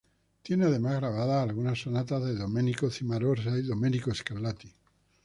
Tiene además grabadas algunas Sonatas de Domenico Cimarosa y Domenico Scarlatti.